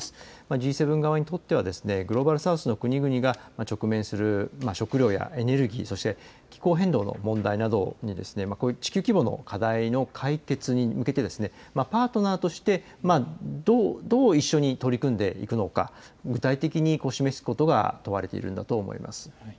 Ｇ７側にとってはグローバル・サウスの国々が直面する食料やエネルギー、そして気候変動の問題など地球規模の課題の解決に向けてパートナーとしてどう一緒に取り組んでいくのか具体的に示すことが問われているんだと思います。